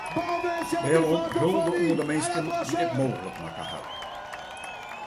Dêrom hulde oan de minsken dy’t it mooglik makke ha.